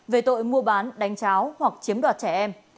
về tội mua bán đánh cháo hoặc chiếm đoạt trẻ em